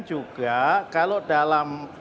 juga kalau dalam